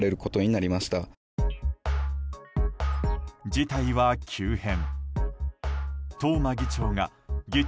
事態は急変。